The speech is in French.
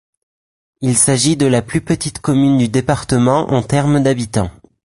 Il s'agit de la plus petite commune du département en terme d'habitants.